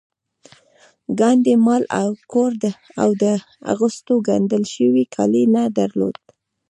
ګاندي مال او کور او د اغوستو ګنډل شوي کالي نه درلودل